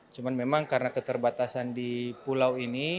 cuma memang karena keterbatasan di pulau ini